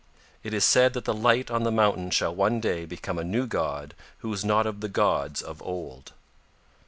It is said that the light on the mountain shall one day become a new god who is not of the gods of Old.